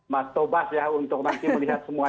mas tobas ya untuk nanti melihat semua